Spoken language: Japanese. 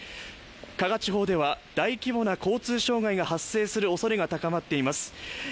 加賀地方では、大規模な交通障害が発生するおそれが高まっています。